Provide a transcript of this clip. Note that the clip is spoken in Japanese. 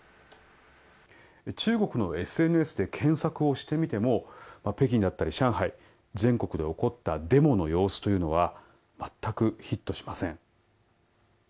中国のＳＮＳで検索をしてみても北京だったり上海全国で起こったデモの様子というのは全くヒットしません。